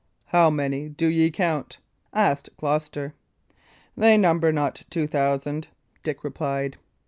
"How many do ye count?" asked Gloucester. "They number not two thousand," Dick replied.